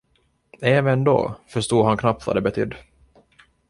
Även då förstod han knappt vad det betydde.